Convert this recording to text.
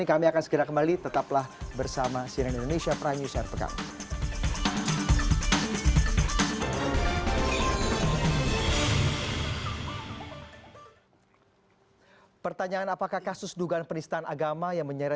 ini kan kurang lebih lima belas persen ya